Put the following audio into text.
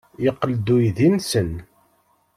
Yeqqel-d uydi-nsen.